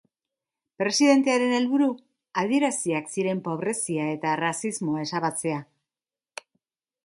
Presidentearen helburu adieraziak ziren pobrezia eta arrazismoa ezabatzea.